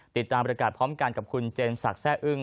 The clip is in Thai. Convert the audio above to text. ติดตามรายการพร้อมกันกับคุณเจมส์สักแทร่อึ้ง